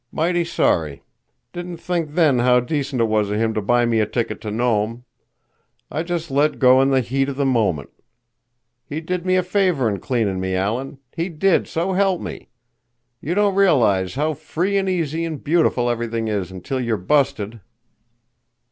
Mighty sorry. Didn't think then how decent it was of him to buy me a ticket to Nome. I just let go in the heat of the moment. He did me a favor in cleanin' me, Alan. He did, so help me! You don't realize how free an' easy an' beautiful everything is until you're busted."